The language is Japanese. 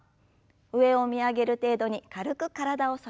上を見上げる程度に軽く体を反らせます。